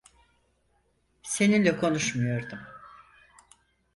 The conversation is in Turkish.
Seninle konuşmuyordum.